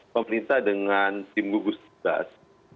pemerintah dengan tim buku sebesar